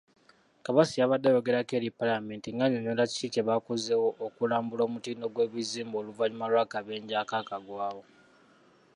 Kabatsi yabadde ayogerako eri Palamenti ng'annyonnyola kiki kyebakozeewo okulambula omutindo gw'ebizimbe oluvanyuma lw'akabenje akaagwawo.